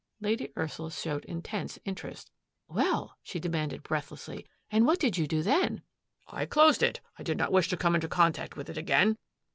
Lady Ursula showed intense interest. " Well," she demanded breathlessly, " and what did you do then?" " I closed it. I did not wish to come into con tact with it again.